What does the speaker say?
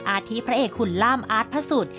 อาทิพระเอกขุนล่ามอาร์ตพระสุทธิ์